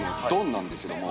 なんですけども。